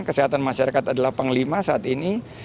kesehatan masyarakat adalah panglima saat ini